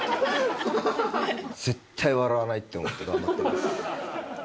絶対笑わないって思って頑張ってます。